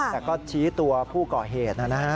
แต่ก็ชี้ตัวผู้ก่อเหตุนะฮะ